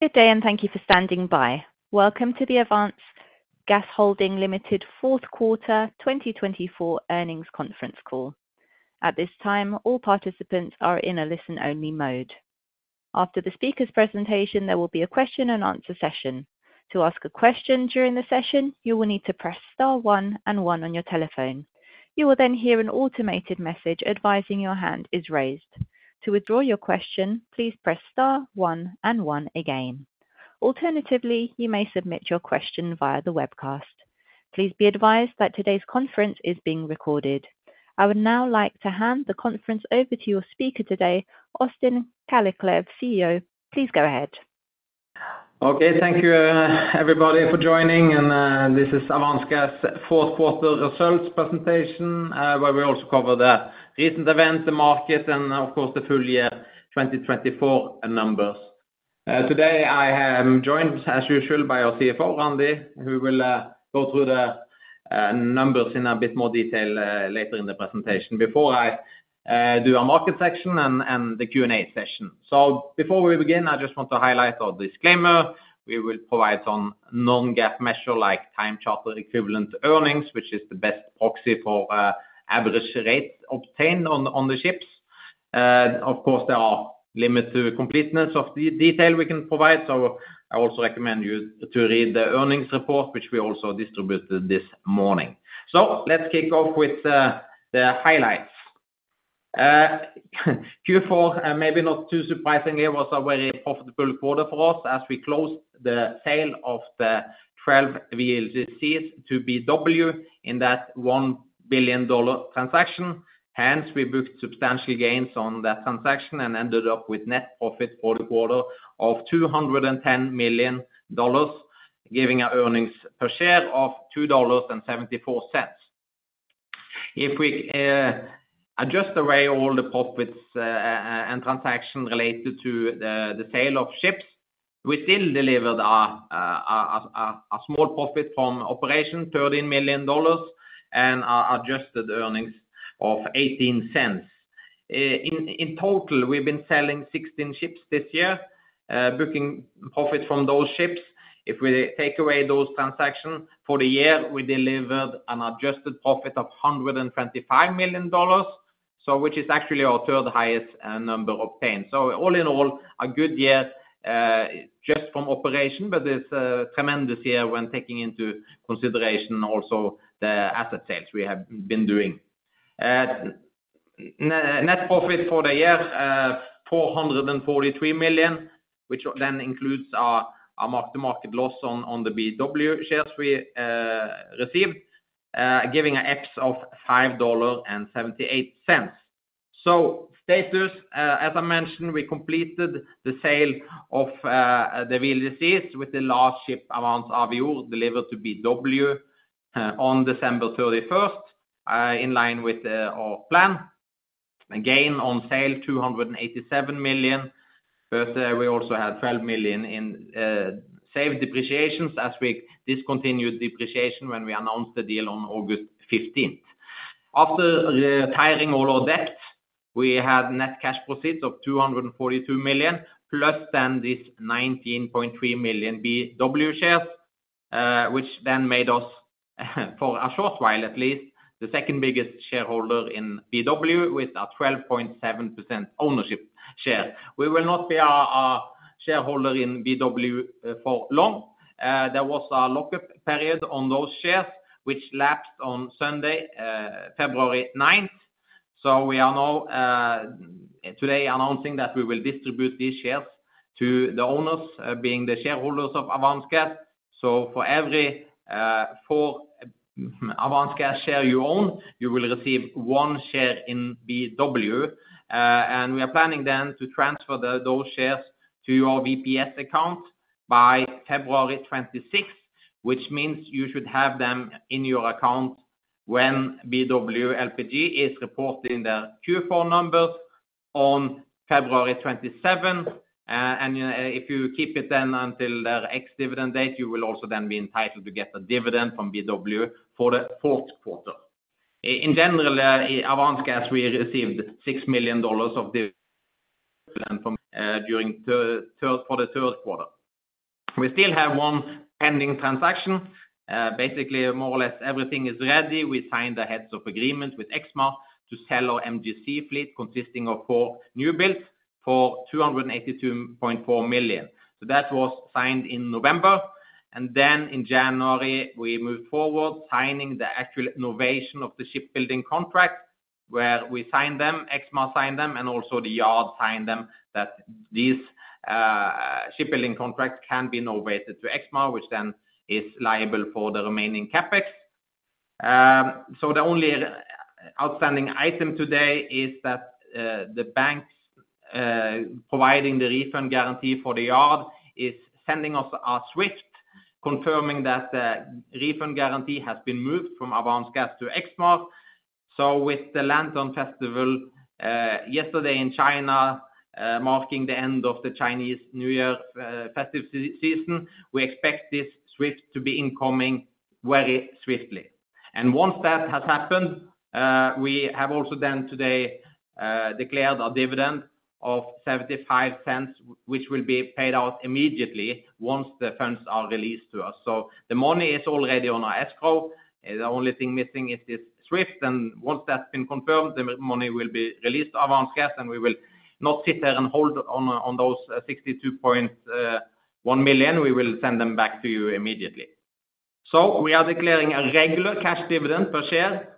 Good day, and thank you for standing by. Welcome to the Avance Gas Holding Ltd fourth quarter 2024 earnings conference call. At this time, all participants are in a listen-only mode. After the speaker's presentation, there will be a question and answer session. To ask a question during the session, you will need to press star one and one on your telephone. You will then hear an automated message advising your hand is raised. To withdraw your question, please press star one and one again. Alternatively, you may submit your question via the webcast. Please be advised that today's conference is being recorded. I would now like to hand the conference over to your speaker today, Øystein Kalleklev, CEO. Please go ahead. Okay, thank you, everybody, for joining. This is Avance Gas fourth quarter results presentation, where we also cover the recent events, the market, and, of course, the full-year 2024 numbers. Today, I am joined, as usual, by our CFO, Randi, who will go through the numbers in a bit more detail later in the presentation. Before I do a market section and the Q&A session. Before we begin, I just want to highlight a disclaimer. We will provide some non-GAAP measure, like time charter equivalent earnings, which is the best proxy for average rates obtained on the ships. Of course, there are limits to completeness of the detail we can provide. I also recommend you to read the earnings report, which we also distributed this morning. Let's kick off with the highlights. Q4, maybe not too surprisingly, was a very profitable quarter for us as we closed the sale of the 12 VLGCs to BW in that $1 billion transaction. Hence, we booked substantial gains on that transaction and ended up with net profit for the quarter of $210 million, giving our earnings per share of $2.74. If we adjust away all the profits and transactions related to the sale of ships, we still delivered a small profit from operation, $13 million, and adjusted earnings of $0.18. In total, we've been selling 16 ships this year, booking profit from those ships. If we take away those transactions for the year, we delivered an adjusted profit of $125 million, which is actually our third highest number obtained. All in all, a good year just from operation, but it's a tremendous year when taking into consideration also the asset sales we have been doing. Net profit for the year, $443 million, which then includes our mark-to-market loss on the BW shares we received, giving an EPS of $5.78. Status, as I mentioned, we completed the sale of the VLGCs with the last ship, Avance Avior, delivered to BW on December 31, in line with our plan. Again, on sale, $287 million, but we also had $12 million in saved depreciations as we discontinued depreciation when we announced the deal on August 15. After retiring all our debt, we had net cash proceeds of $242 million, plus then these $19.3 million BW shares, which then made us, for a short while at least, the second biggest shareholder in BW with a 12.7% ownership share. We will not be a shareholder in BW for long. There was a lockup period on those shares, which lapsed on Sunday, February 9th. We are now today announcing that we will distribute these shares to the owners, being the shareholders of Avance Gas. For every Avance Gas share you own, you will receive one share in BW. We are planning to transfer those shares to your VPS account by February 26th, which means you should have them in your account when BW LPG is reporting their Q4 numbers on February 27th. If you keep it until their ex-dividend date, you will also then be entitled to get a dividend from BW for the fourth quarter. In general, Avance Gas, we received $6 million of dividend for the third quarter. We still have one pending transaction. Basically, more or less everything is ready. We signed the heads of agreement with Exmar to sell our MGC fleet consisting of four newbuilds for $282.4 million. That was signed in November. In January, we moved forward signing the actual novation of the shipbuilding contract, where we signed them, Exmar signed them, and also the yard signed them that these shipbuilding contracts can be novated to Exmar, which then is liable for the remaining CapEx. The only outstanding item today is that the bank providing the refund guarantee for the yard is sending us a SWIFT confirming that the refund guarantee has been moved from Avance Gas to Exmar. With the Lantern Festival yesterday in China marking the end of the Chinese New Year festive season, we expect this SWIFT to be incoming very swiftly. Once that has happened, we have also then today declared a dividend of $0.75, which will be paid out immediately once the funds are released to us. The money is already on our escrow. The only thing missing is this SWIFT. Once that's been confirmed, the money will be released to Avance Gas, and we will not sit there and hold on those $62.1 million. We will send them back to you immediately. We are declaring a regular cash dividend per share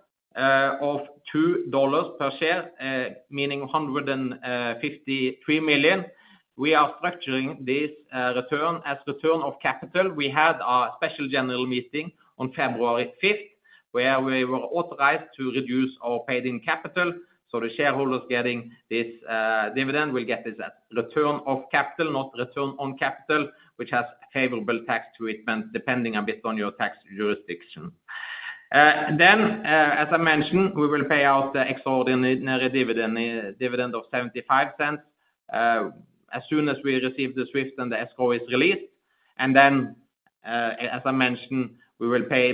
of $2 per share, meaning $153 million. We are structuring this return as return of capital. We had a special general meeting on February 5th where we were authorized to reduce our paid-in capital. The shareholders getting this dividend will get this as return of capital, not return on capital, which has favorable tax treatment depending a bit on your tax jurisdiction. As I mentioned, we will pay out the extraordinary dividend of $0.75 as soon as we receive the SWIFT and the escrow is released. As I mentioned, we will pay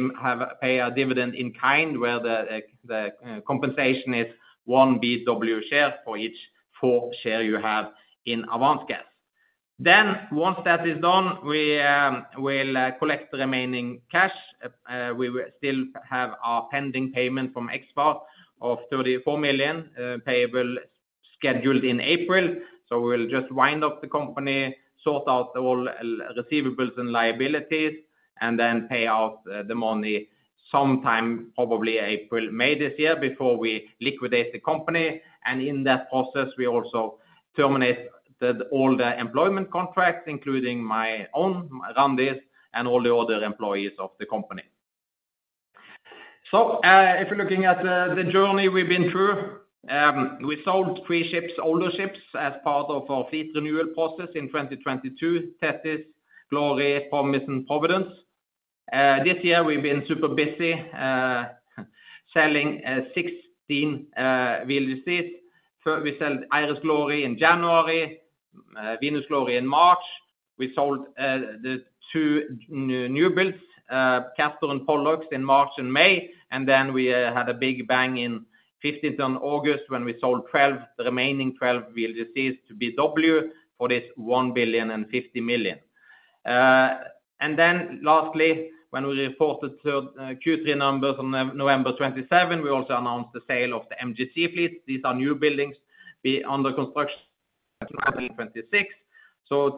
a dividend in kind where the compensation is one BW share for each four shares you have in Avance Gas. Once that is done, we will collect the remaining cash. We still have our pending payment from Exmar of $34 million payable scheduled in April. We will just wind up the company, sort out all receivables and liabilities, and then pay out the money sometime, probably April, May this year before we liquidate the company. In that process, we also terminate all the employment contracts, including my own, Randi, and all the other employees of the company. If we're looking at the journey we've been through, we sold three ships, older ships, as part of our fleet renewal process in 2022: Thetis Glory, Promise, and Providence. This year, we've been super busy selling 16 VLGCs. We sold Iris Glory in January, Venus Glory in March. We sold the two newbuilds, Castor and Pollux, in March and May. We had a big bang on 15th August when we sold the remaining 12 VLGCs to BW for this $1 billion and $50 million. Lastly, when we reported Q3 numbers on November 27, we also announced the sale of the MGC fleet. These are newbuildings under construction in 2026.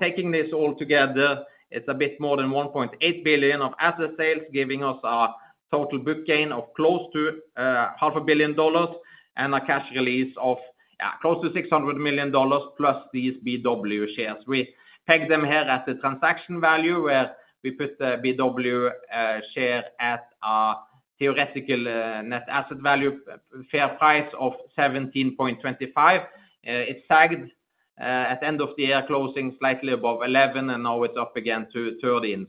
Taking this all together, it's a bit more than $1.8 billion of asset sales, giving us a total book gain of close to $500 million and a cash release of close to $600 million plus these BW shares. We pegged them here at the transaction value where we put the BW share at a theoretical net asset value, fair price of $17.25. It sagged at the end of the year, closing slightly above $11, and now it's up again to $13.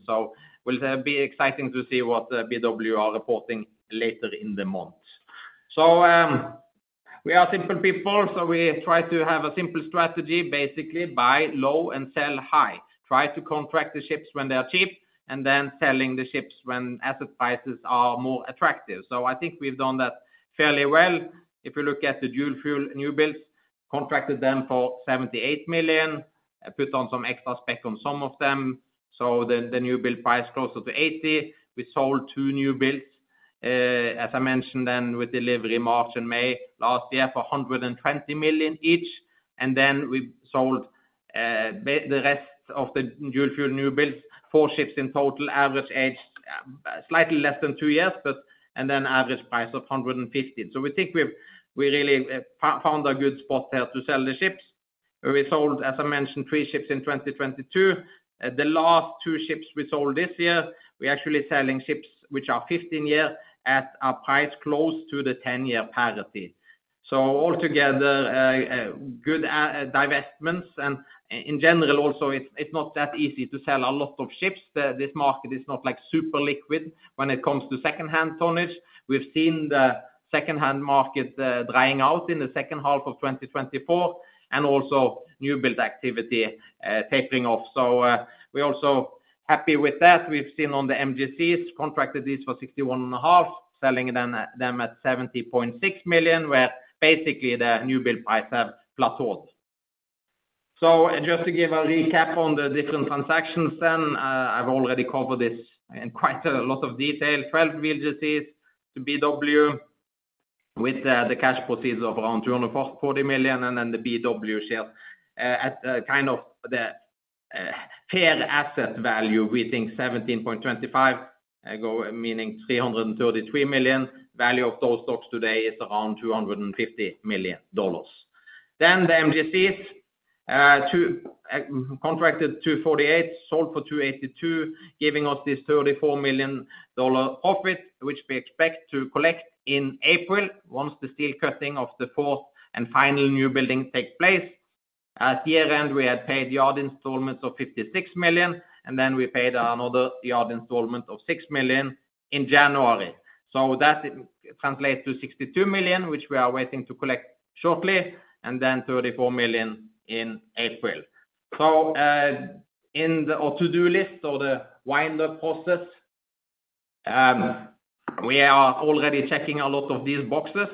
It will be exciting to see what BW are reporting later in the month. We are simple people, so we try to have a simple strategy, basically buy low and sell high, try to contract the ships when they are cheap, and then selling the ships when asset prices are more attractive. I think we've done that fairly well. If you look at the dual fuel new builds, contracted them for $78 million, put on some extra spec on some of them, so the new build price closer to $80 million. We sold two new builds, as I mentioned, with delivery March and May last year for $120 million each. We sold the rest of the dual fuel new builds, four ships in total, average age slightly less than two years, but then average price of $150 million. We think we really found a good spot there to sell the ships. We sold, as I mentioned, three ships in 2022. The last two ships we sold this year, we're actually selling ships which are 15 years at a price close to the 10-year parity. Altogether, good divestments. In general, also, it's not that easy to sell a lot of ships. This market is not super liquid when it comes to second-hand tonnage. We've seen the second-hand market drying out in the second half of 2024 and also new build activity tapering off. We are also happy with that. We've seen on the MGCs, contracted these for $61.5 million, selling them at $70.6 million, where basically the new build price has plateaued. Just to give a recap on the different transactions then, I've already covered this in quite a lot of detail. Twelve VLGCs to BW with the cash proceeds of around $240 million and then the BW shares. At kind of the fair asset value, we think $17.25, meaning $333 million. Value of those stocks today is around $250 million. The MGCs, contracted $248 million, sold for $282 million, giving us this $34 million profit, which we expect to collect in April once the steel cutting of the fourth and final new building takes place. At year-end, we had paid yard installments of $56 million, and then we paid another yard installment of $6 million in January. That translates to $62 million, which we are waiting to collect shortly, and then $34 million in April. In our to-do list or the wind-up process, we are already checking a lot of these boxes.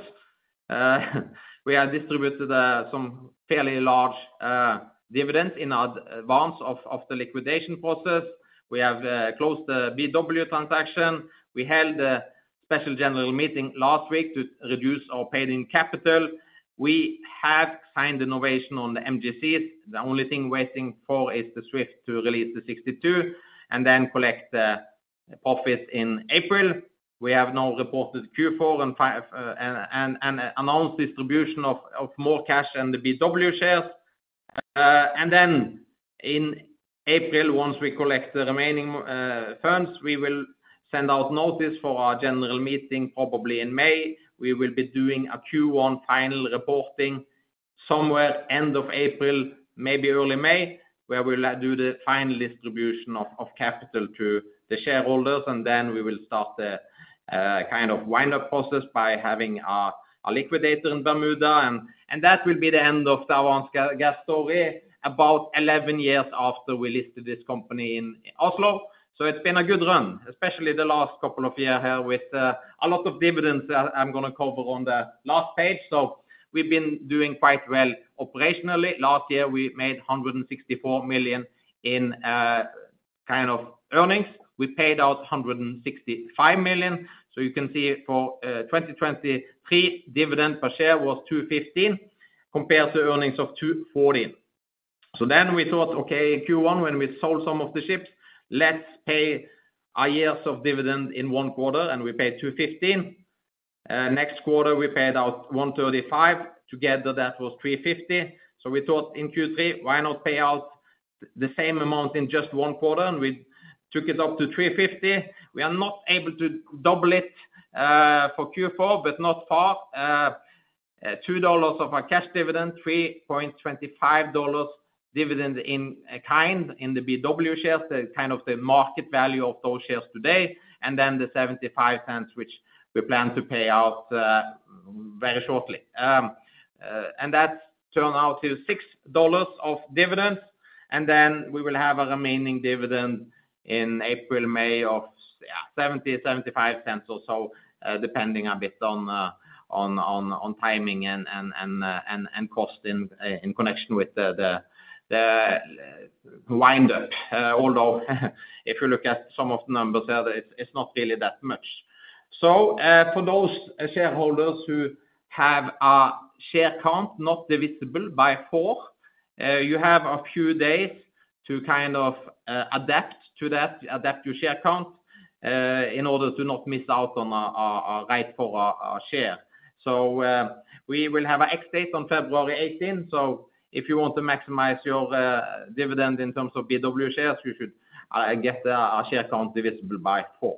We have distributed some fairly large dividends in advance of the liquidation process. We have closed the BW transaction. We held a special general meeting last week to reduce our paid-in capital. We have signed novation on the MGCs. The only thing waiting for is the SWIFT to release the $62 million and then collect the profit in April. We have now reported Q4 and announced distribution of more cash and the BW shares. In April, once we collect the remaining funds, we will send out notice for our general meeting probably in May. We will be doing a Q1 final reporting somewhere end of April, maybe early May, where we'll do the final distribution of capital to the shareholders. We will start the kind of wind-up process by having a liquidator in Bermuda. That will be the end of the Avance Gas story about 11 years after we listed this company in Oslo. It has been a good run, especially the last couple of years here with a lot of dividends I'm going to cover on the last page. We have been doing quite well operationally. Last year, we made $164 million in kind of earnings. We paid out $165 million. You can see for 2023, dividend per share was $2.15 compared to earnings of $2.40. We thought, okay, Q1, when we sold some of the ships, let's pay a year's dividend in one quarter. We paid $2.15. Next quarter, we paid out $1.35. Together, that was $3.50. We thought in Q3, why not pay out the same amount in just one quarter? We took it up to $3.50. We are not able to double it for Q4, but not far. $2 of our cash dividend, $3.25 dividend in kind in the BW shares, kind of the market value of those shares today, and then the $0.75, which we plan to pay out very shortly. That has turned out to $6 of dividends. We will have a remaining dividend in April, May of $0.70-$0.75 or so, depending a bit on timing and cost in connection with the wind-up. Although if you look at some of the numbers here, it is not really that much. For those shareholders who have a share count not divisible by four, you have a few days to kind of adapt to that, adapt your share count in order to not miss out on a right for a share. We will have an ex-date on February 18. If you want to maximize your dividend in terms of BW shares, you should get a share count divisible by four.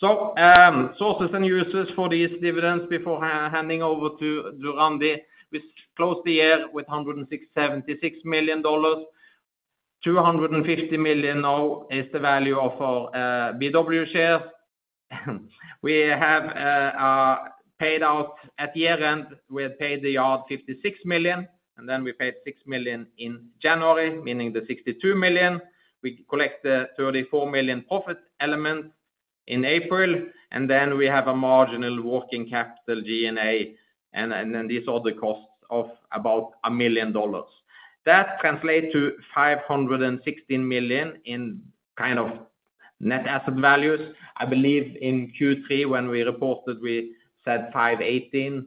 Sources and uses for these dividends, before handing over to Randi, we closed the year with $176 million. $250 million now is the value of our BW shares. We have paid out at year-end. We had paid the yard $56 million, and then we paid $6 million in January, meaning the $62 million. We collected the $34 million profit element in April. We have a marginal working capital G&A and these other costs of about $1 million. That translates to $516 million in kind of net asset values. I believe in Q3, when we reported, we said $518,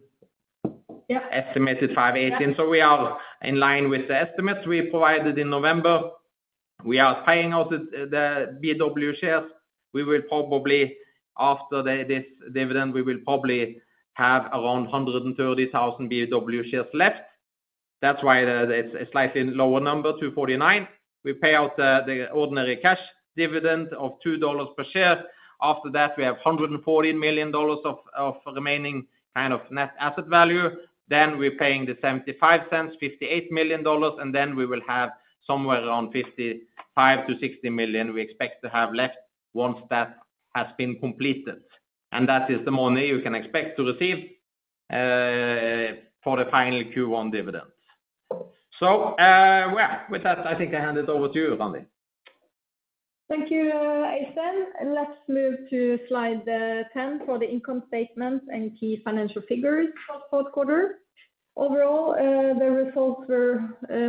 estimated $518. We are in line with the estimates we provided in November. We are paying out the BW shares. We will probably, after this dividend, have around 130,000 BW shares left. That's why it's a slightly lower number, $249. We pay out the ordinary cash dividend of $2 per share. After that, we have $114 million of remaining kind of net asset value. We are paying the $0.75, $58 million. We will have somewhere around $55 million-$60 million we expect to have left once that has been completed. That is the money you can expect to receive for the final Q1 dividends. With that, I think I hand it over to you, Randi. Thank you, Øystein. Let's move to slide 10 for the income statements and key financial figures for the fourth quarter. Overall, the results were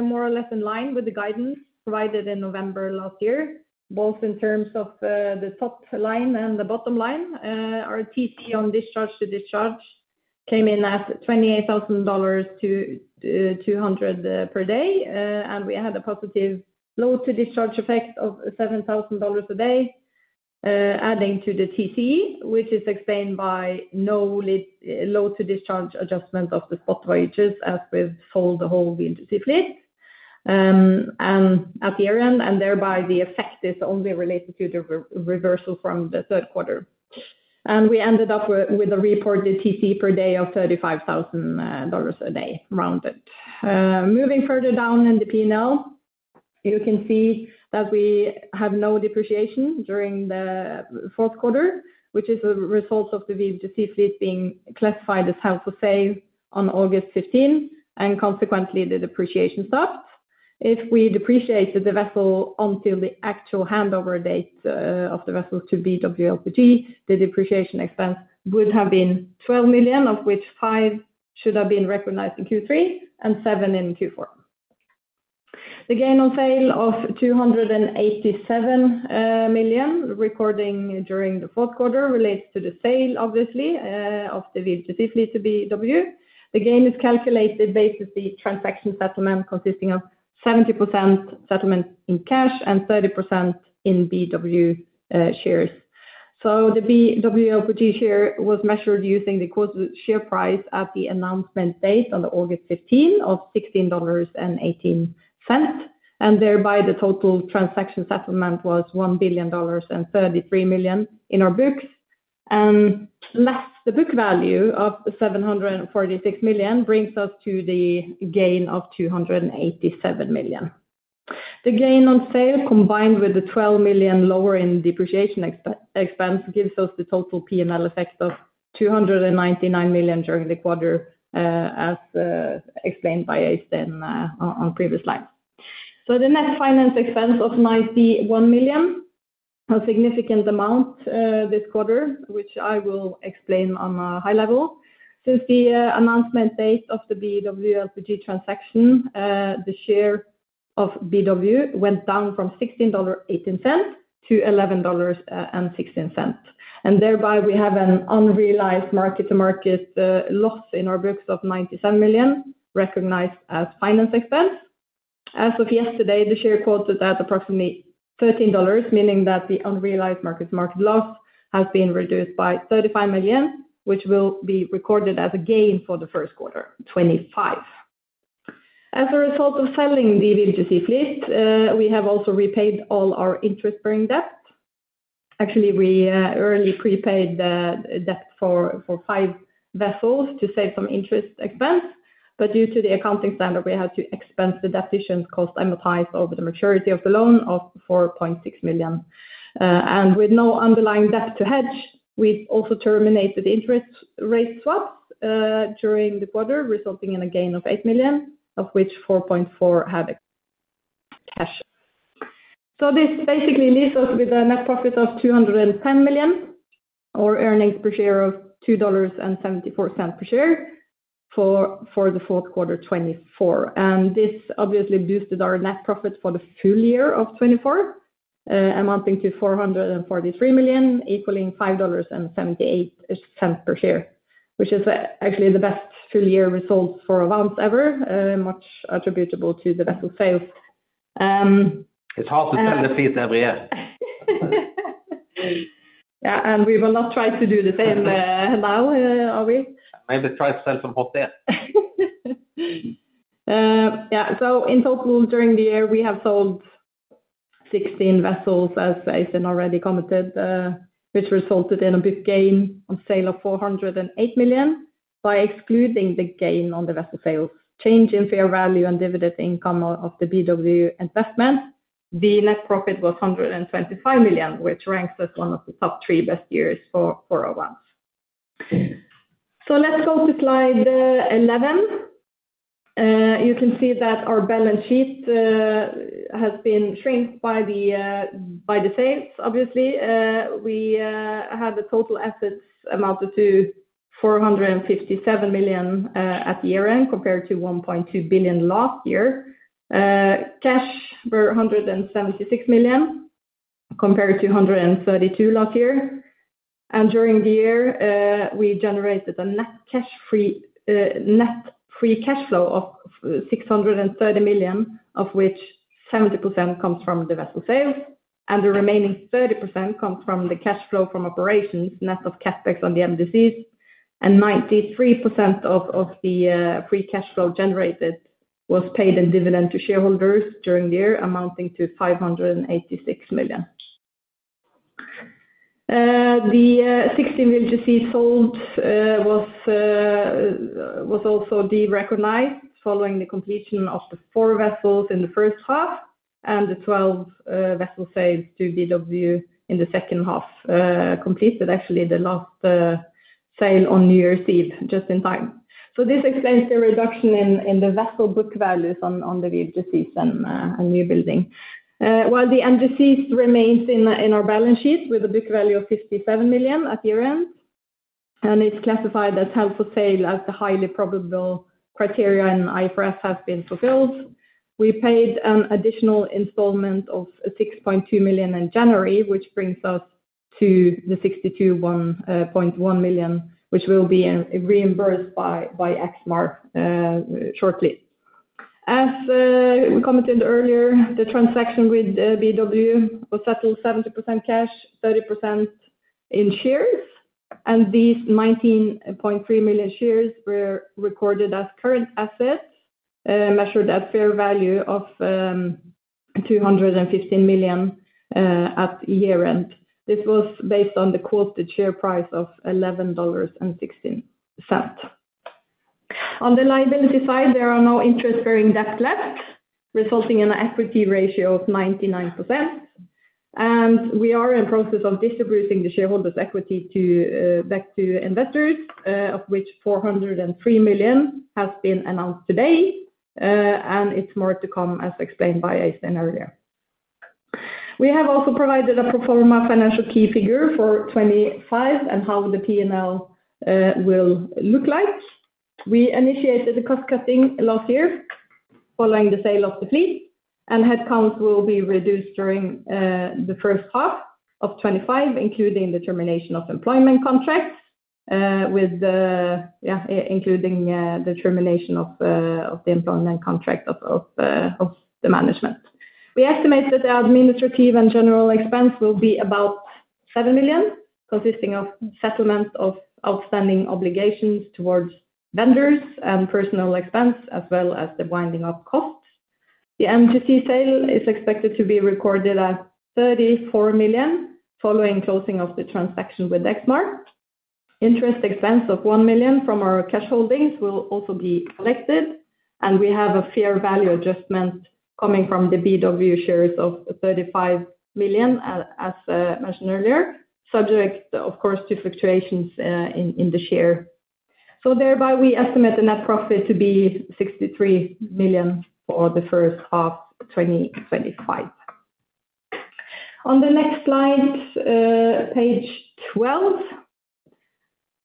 more or less in line with the guidance provided in November last year, both in terms of the top line and the bottom line. Our TC on discharge-to-discharge came in at $28,200 per day. We had a positive load-to-discharge effect of $7,000 a day, adding to the TC, which is explained by no load-to-discharge adjustment of the spot voyages as we sold the whole VLGC fleet at year-end. Thereby, the effect is only related to the reversal from the third quarter. We ended up with a reported TC per day of $35,000 a day, rounded. Moving further down in the P&L, you can see that we have no depreciation during the fourth quarter, which is the result of the VLGC fleet being classified as held for sale on August 15. Consequently, the depreciation stopped. If we depreciated the vessel until the actual handover date of the vessel to BW LPG, the depreciation expense would have been $12 million, of which $5 million should have been recognized in Q3 and $7 million in Q4. The gain on sale of $287 million recorded during the fourth quarter relates to the sale, obviously, of the VLGC fleet to BW. The gain is calculated based on the transaction settlement consisting of 70% settlement in cash and 30% in BW shares. The BW LPG share was measured using the quoted share price at the announcement date on August 15 of $16.18. Thereby, the total transaction settlement was $1 billion and $33 million in our books. Less the book value of $746 million brings us to the gain of $287 million. The gain on sale, combined with the $12 million lower in depreciation expense, gives us the total P&L effect of $299 million during the quarter, as explained by Øystein on previous slides. The net finance expense of $91 million was a significant amount this quarter, which I will explain on a high level. Since the announcement date of the BW LPG transaction, the share of BW went down from $16.18 to $11.16. Thereby, we have an unrealized mark-to-market loss in our books of $97 million recognized as finance expense. As of yesterday, the share quoted at approximately $13, meaning that the unrealized mark-to-market loss has been reduced by $35 million, which will be recorded as a gain for the first quarter, 2025. As a result of selling the VLGC fleet, we have also repaid all our interest-bearing debt. Actually, we early prepaid the debt for five vessels to save some interest expense. Due to the accounting standard, we had to expense the debt issuance cost amortized over the maturity of the loan of $4.6 million. With no underlying debt to hedge, we also terminated the interest rate swaps during the quarter, resulting in a gain of $8 million, of which $4.4 million had cash. This basically leaves us with a net profit of $210 million or earnings per share of $2.74 per share for the fourth quarter 2024. This obviously boosted our net profit for the full-year of 2024, amounting to $443 million, equaling $5.78 per share, which is actually the best full-year result for Avance ever, much attributable to the vessel sales. It's hard to sell the fleet every year. Yeah. We will not try to do the same now, are we? Maybe try to sell some hot air. Yeah. In total, during the year, we have sold 16 vessels, as Øystein already commented, which resulted in a book gain on sale of $408 million. By excluding the gain on the vessel sales, change in fair value and dividend income of the BW investment, the net profit was $125 million, which ranks as one of the top three best years for Avance. Let's go to slide 11. You can see that our balance sheet has been shrinked by the sales, obviously. We had a total assets amounted to $457 million at year-end compared to $1.2 billion last year. Cash were $176 million compared to $132 million last year. During the year, we generated a net free cash flow of $630 million, of which 70% comes from the vessel sales. The remaining 30% comes from the cash flow from operations, net of CapEx on the MGCs. 93% of the free cash flow generated was paid in dividend to shareholders during the year, amounting to $586 million. The 16 VLGC sold was also derecognized following the completion of the four vessels in the first half and the 12 vessels sold to BW in the second half completed, actually the last sale on New Year's Eve, just in time. This explains the reduction in the vessel book values on the VLGCs and new building. While the MGCs remains in our balance sheet with a book value of $57 million at year-end, and it's classified as held for sale as the highly probable criteria in IFRS has been fulfilled. We paid an additional installment of $6.2 million in January, which brings us to the $62.1 million, which will be reimbursed by Exmar shortly. As we commented earlier, the transaction with BW was settled 70% cash, 30% in shares. These 19.3 million shares were recorded as current assets measured at fair value of $215 million at year-end. This was based on the quoted share price of $11.16. On the liability side, there are no interest-bearing debts left, resulting in an equity ratio of 99%. We are in the process of distributing the shareholders' equity back to investors, of which $403 million has been announced today. It is more to come, as explained by Øystein earlier. We have also provided a pro forma financial key figure for 2025 and how the P&L will look like. We initiated the cost cutting last year following the sale of the fleet, and headcounts will be reduced during the first half of 2025, including the termination of employment contracts, including the termination of the employment contract of the management. We estimate that the administrative and general expense will be about $7 million, consisting of settlement of outstanding obligations towards vendors and personal expense, as well as the winding-up costs. The MGC sale is expected to be recorded at $34 million following closing of the transaction with Exmar. Interest expense of $1 million from our cash holdings will also be collected. We have a fair value adjustment coming from the BW shares of $35 million, as mentioned earlier, subject, of course, to fluctuations in the share. Thereby, we estimate the net profit to be $63 million for the first half of 2025. On the next slide, page 12,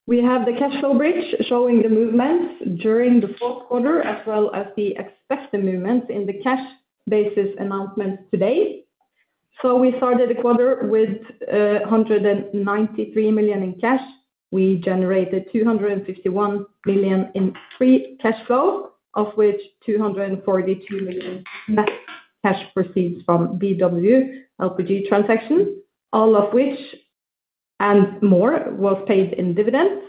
we have the cash flow bridge showing the movements during the fourth quarter, as well as the expected movements in the cash basis announcement today. We started the quarter with $193 million in cash. We generated $251 million in free cash flow, of which $242 million net cash proceeds from BW LPG transactions, all of which and more was paid in dividends.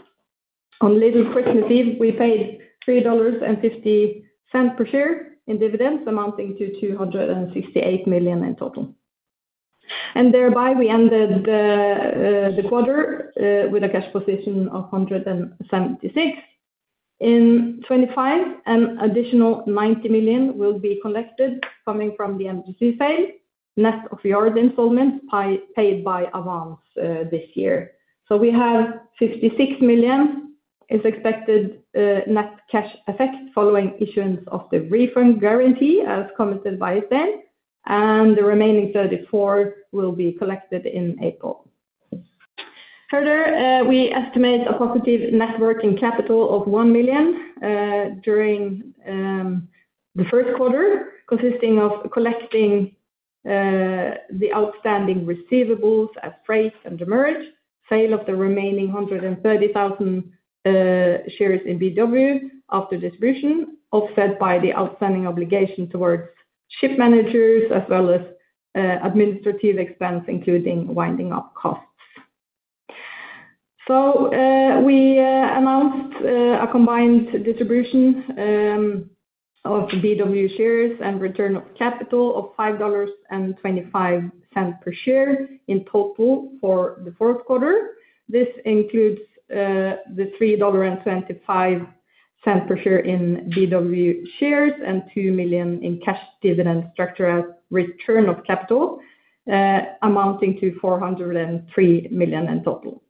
On Little Christmas Eve, we paid $3.50 per share in dividends, amounting to $268 million in total. Thereby, we ended the quarter with a cash position of $176 million. In 2025, an additional $90 million will be collected coming from the MGC sale, net of yard installments paid by Avance this year. We have $56 million is expected net cash effect following issuance of the refund guarantee, as commented by Øystein. The remaining $34 million will be collected in April. Further, we estimate a positive net working capital of $1 million during the first quarter, consisting of collecting the outstanding receivables as freight and demurrage, sale of the remaining 130,000 shares in BW after distribution, offset by the outstanding obligation towards ship managers, as well as administrative expense, including winding-up costs. We announced a combined distribution of BW shares and return of capital of $5.25 per share in total for the fourth quarter. This includes the $3.25 per share in BW shares and $2 million in cash dividend structure as return of capital, amounting to $403 million in total.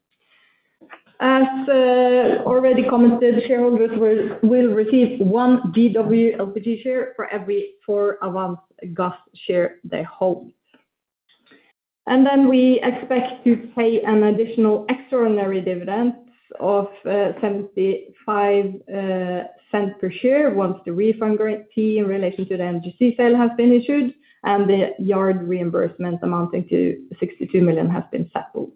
As already commented, shareholders will receive one BW LPG share for every four Avance Gas shares they hold. We expect to pay an additional extraordinary dividend of $0.75 per share once the refund guarantee in relation to the MGC sale has been issued and the yard reimbursement amounting to $62 million has been settled.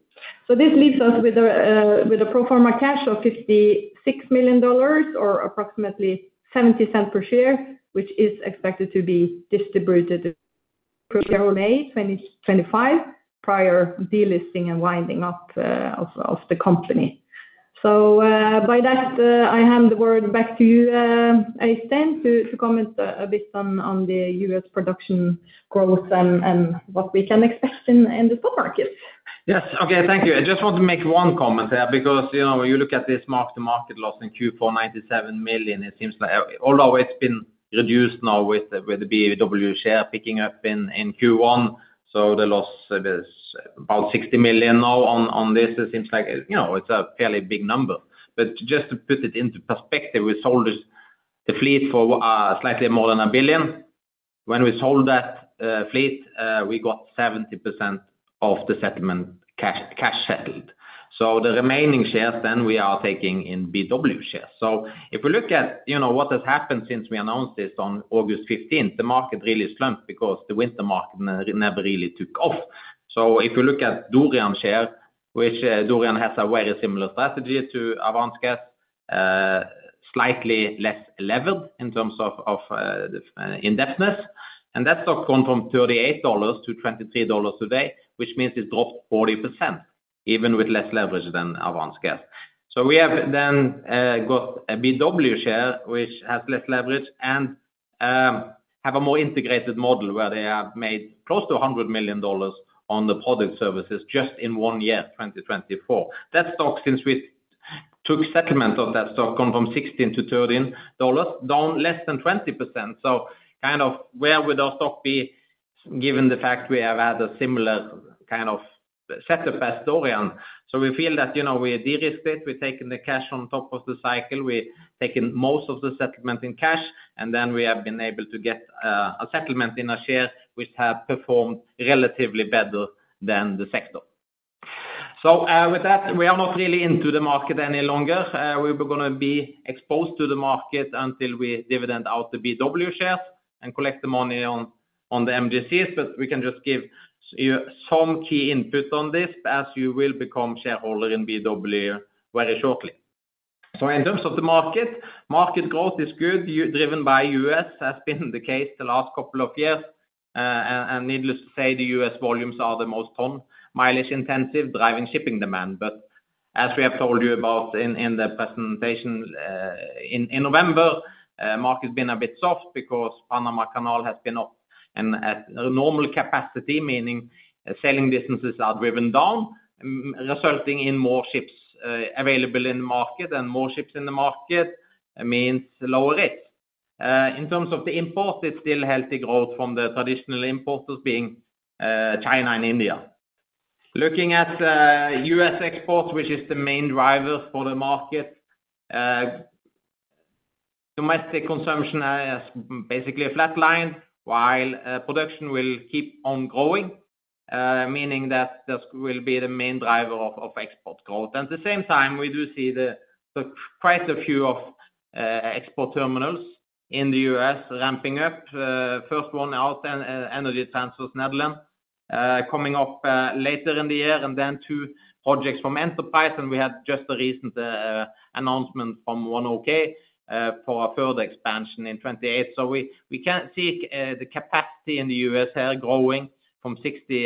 This leaves us with a pro forma cash of $56 million or approximately $0.70 per share, which is expected to be distributed per May 2025, prior to delisting and winding up of the company. By that, I hand the word back to you, Øystein, to comment a bit on the U.S. production growth and what we can expect in the stock market. Yes. Okay. Thank you. I just want to make one comment there because you look at this mark-to-market loss in Q4, $97 million. It seems like although it's been reduced now with the BW share picking up in Q1, the loss is about $60 million now on this. It seems like it's a fairly big number. Just to put it into perspective, we sold the fleet for slightly more than $1 billion. When we sold that fleet, we got 70% of the settlement cash settled. The remaining shares then we are taking in BW shares. If we look at what has happened since we announced this on August 15, the market really slumped because the winter market never really took off. If you look at Dorian share, which Dorian has a very similar strategy to Avance Gas, slightly less levered in terms of indebtedness. That stock went from $38 to $23 today, which means it dropped 40% even with less leverage than Avance Gas. We have then got a BW share which has less leverage and have a more integrated model where they have made close to $100 million on the product services just in one year, 2024. That stock, since we took settlement of that stock, went from $16 to $13, down less than 20%. Kind of where would our stock be given the fact we have had a similar kind of setup as Dorian? We feel that we de-risked it. We've taken the cash on top of the cycle. We've taken most of the settlement in cash. We have been able to get a settlement in a share which has performed relatively better than the sector. With that, we are not really into the market any longer. We're going to be exposed to the market until we dividend out the BW shares and collect the money on the MGCs. We can just give you some key input on this as you will become shareholder in BW very shortly. In terms of the market, market growth is good, driven by U.S., as has been the case the last couple of years. Needless to say, the U.S. volumes are the most ton-mileage intensive, driving shipping demand. As we have told you about in the presentation in November, the market has been a bit soft because Panama Canal has been up in normal capacity, meaning sailing distances are driven down, resulting in more ships available in the market. More ships in the market means lower rates. In terms of the imports, it's still healthy growth from the traditional importers being China and India. Looking at U.S. exports, which is the main driver for the market, domestic consumption is basically a flat line, while production will keep on growing, meaning that this will be the main driver of export growth. At the same time, we do see quite a few export terminals in the U.S. ramping up. First one out, Energy Transfer's Nederland, coming up later in the year, and then two projects from Enterprise. We had just a recent announcement from ONEOK for a further expansion in 2028. We can see the capacity in the U.S. here growing from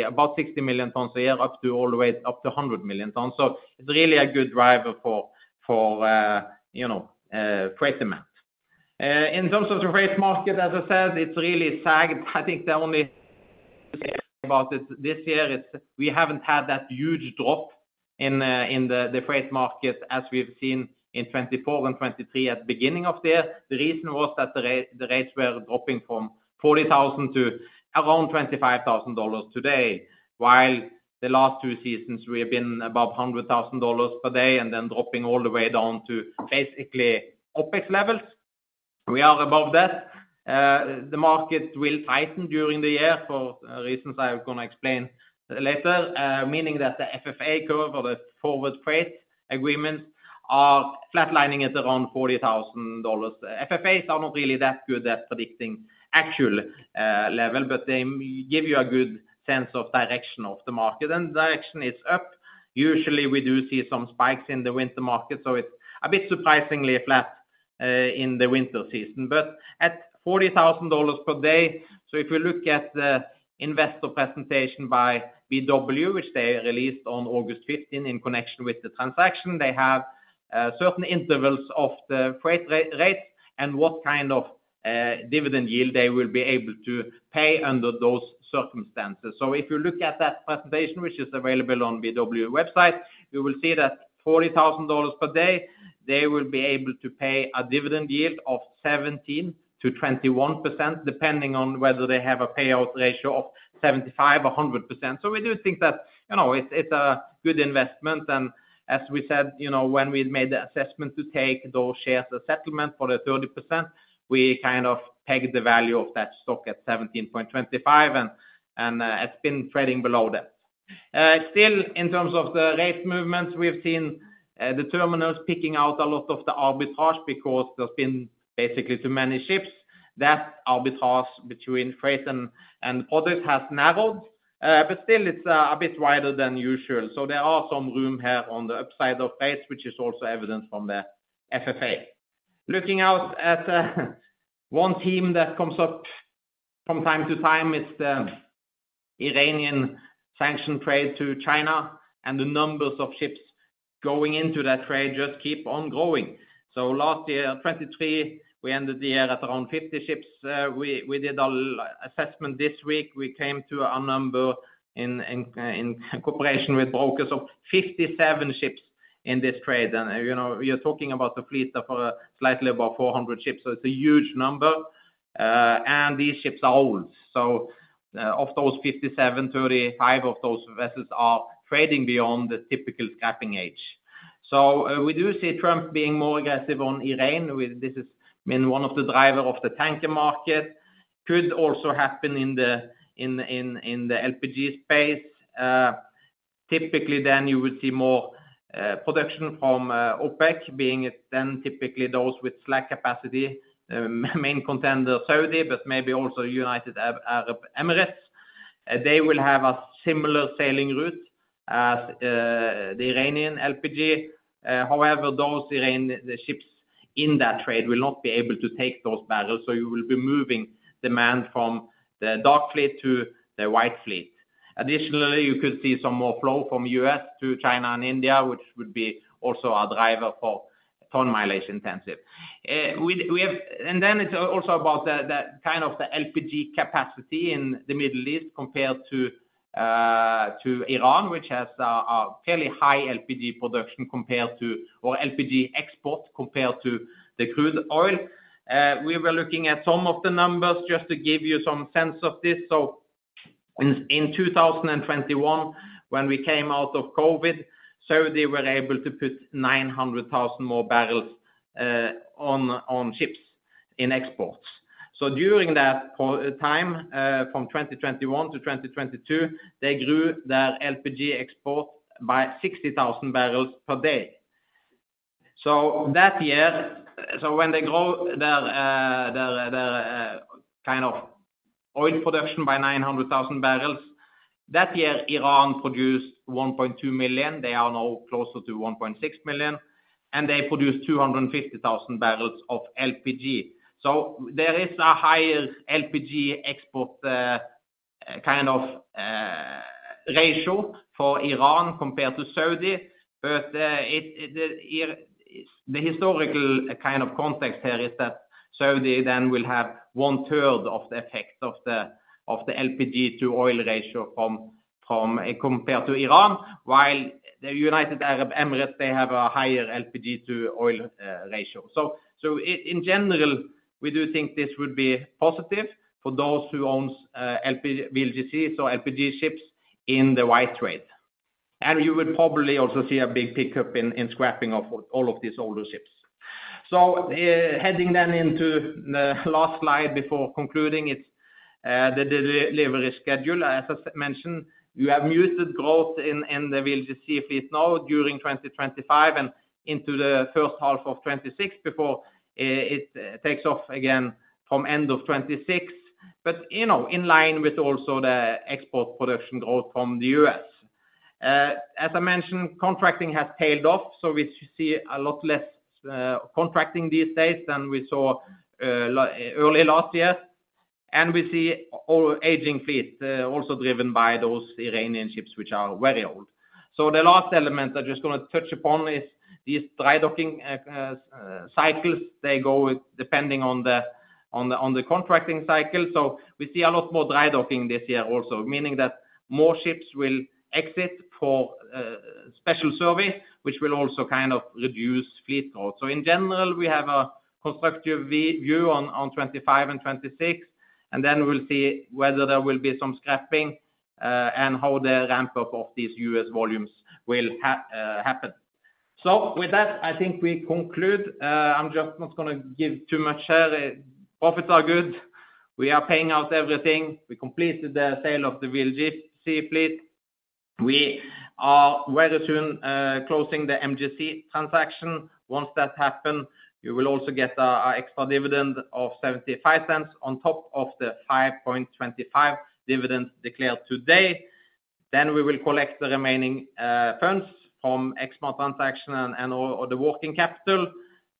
about 60 million tons a year up to all the way up to 100 million tons. It's really a good driver for freight demand. In terms of the freight market, as I said, it's really sagged. I think the only thing about this year is we haven't had that huge drop in the freight market as we've seen in 2024 and 2023 at the beginning of the year. The reason was that the rates were dropping from $40,000 to around $25,000 today, while the last two seasons, we have been above $100,000 per day and then dropping all the way down to basically OpEx levels. We are above that. The market will tighten during the year for reasons I'm going to explain later, meaning that the FFA curve or the forward freight agreements are flatlining at around $40,000. FFAs are not really that good at predicting actual level, but they give you a good sense of direction of the market. Direction is up. Usually, we do see some spikes in the winter market, so it's a bit surprisingly flat in the winter season. But at $40,000 per day, so if we look at the investor presentation by BW, which they released on August 15 in connection with the transaction, they have certain intervals of the freight rates and what kind of dividend yield they will be able to pay under those circumstances. If you look at that presentation, which is available on BW website, you will see that at $40,000 per day, they will be able to pay a dividend yield of 17%-21%, depending on whether they have a payout ratio of 75% or 100%. We do think that it's a good investment. As we said, when we made the assessment to take those shares as settlement for the 30%, we kind of pegged the value of that stock at $17.25, and it's been trading below that. Still, in terms of the rate movements, we've seen the terminals picking out a lot of the arbitrage because there's been basically too many ships. That arbitrage between freight and product has narrowed, but still, it's a bit wider than usual. There are some room here on the upside of rates, which is also evident from the FFA. Looking out at one theme that comes up from time to time, it's the Iranian sanctioned trade to China, and the numbers of ships going into that trade just keep on growing. Last year, 2023, we ended the year at around 50 ships. We did an assessment this week. We came to a number in cooperation with brokers of 57 ships in this trade. You are talking about the fleet of slightly above 400 ships, so it is a huge number. These ships are old. Of those 57, 35 of those vessels are trading beyond the typical scrapping age. We do see Trump being more aggressive on Iran. This has been one of the drivers of the tanker market. It could also happen in the LPG space. Typically, you would see more production from OPEC, being then typically those with slack capacity, main contender Saudi, but maybe also United Arab Emirates. They will have a similar sailing route as the Iranian LPG. However, those Iranian ships in that trade will not be able to take those barrels. You will be moving demand from the dark fleet to the white fleet. Additionally, you could see some more flow from the U.S. to China and India, which would be also a driver for ton-mileage intensive. It is also about the kind of the LPG capacity in the Middle East compared to Iran, which has a fairly high LPG production compared to or LPG export compared to the crude oil. We were looking at some of the numbers just to give you some sense of this. In 2021, when we came out of COVID, Saudi were able to put 900,000 more barrels on ships in exports. During that time, from 2021 to 2022, they grew their LPG export by 60,000 barrels per day. That year, when they grow their kind of oil production by 900,000 barrels, that year, Iran produced 1.2 million. They are now closer to 1.6 million. They produced 250,000 barrels of LPG. There is a higher LPG export kind of ratio for Iran compared to Saudi. The historical kind of context here is that Saudi then will have one-third of the effect of the LPG-to-oil ratio compared to Iran, while the United Arab Emirates, they have a higher LPG-to-oil ratio. In general, we do think this would be positive for those who own LPG, so LPG ships in the white trade. You would probably also see a big pickup in scrapping of all of these older ships. Heading then into the last slide before concluding, it's the delivery schedule. As I mentioned, you have muted growth in the VLGC fleet now during 2025 and into the first half of 2026 before it takes off again from end of 2026, but in line with also the export production growth from the U.S.. As I mentioned, contracting has tailed off. We see a lot less contracting these days than we saw early last year. We see aging fleet also driven by those Iranian ships, which are very old. The last element I'm just going to touch upon is these dry docking cycles. They go depending on the contracting cycle. We see a lot more dry docking this year also, meaning that more ships will exit for special service, which will also kind of reduce fleet growth. In general, we have a constructive view on 2025 and 2026. We will see whether there will be some scrapping and how the ramp-up of these U.S. volumes will happen. With that, I think we conclude. I'm just not going to give too much here. Profits are good. We are paying out everything. We completed the sale of the VLGC fleet. We are very soon closing the MGC transaction. Once that happens, you will also get an extra dividend of $0.75 on top of the $5.25 dividend declared today. We will collect the remaining funds from Exmar transaction and/or the working capital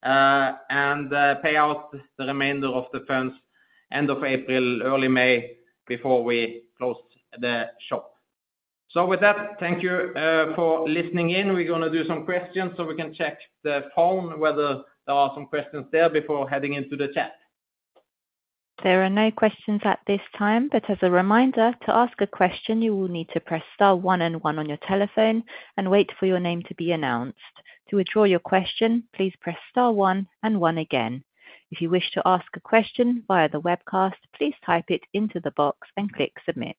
and pay out the remainder of the funds end of April, early May before we close the shop. With that, thank you for listening in. We're going to do some questions so we can check the phone whether there are some questions there before heading into the chat. There are no questions at this time, but as a reminder, to ask a question, you will need to press star one and one on your telephone and wait for your name to be announced. To withdraw your question, please press star one and one again. If you wish to ask a question via the webcast, please type it into the box and click submit.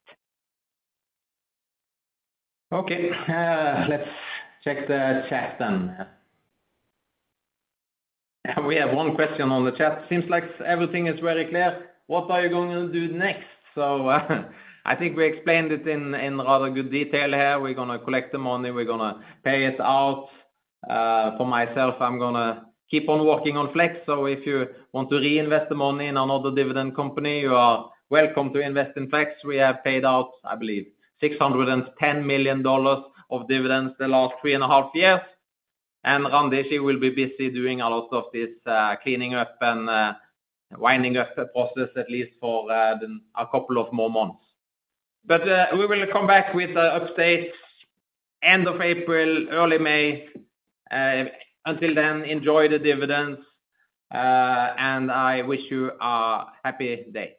Okay. Let's check the chat then. We have one question on the chat. Seems like everything is very clear. What are you going to do next? I think we explained it in rather good detail here. We're going to collect the money. We're going to pay it out. For myself, I'm going to keep on working on Flex. If you want to reinvest the money in another dividend company, you are welcome to invest in Flex. We have paid out, I believe, $610 million of dividends the last three and a half years. Randi will be busy doing a lot of this cleaning up and winding up the process, at least for a couple of more months. We will come back with the updates end of April, early May. Until then, enjoy the dividends. I wish you a happy day.